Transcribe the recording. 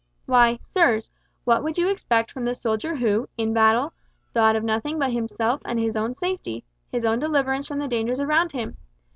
Why, sirs, what would you expect from the soldier who, in battle, thought of nothing but himself and his own safety, his own deliverance from the dangers around him?